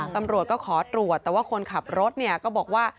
ตำรวจก็ขอตรวจแต่ว่าคนขับรถเนี่ยก็บอกว่า